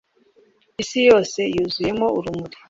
Isi yose yuzuyemo urumuri